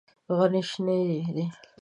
غټي شنې،